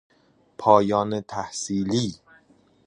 پایان تحصیلی